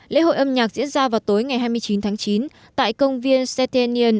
lễ hội âm nhạc diễn ra vào tối ngày hai mươi chín tháng chín tại công viên setia